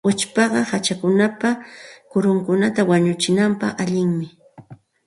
Uchpaqa hachapa kurunkunata wanuchinapaq allinmi.